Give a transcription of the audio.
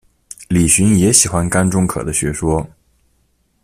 李寻也喜欢甘忠可的学说。